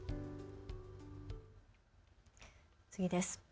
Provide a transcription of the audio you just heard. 次です。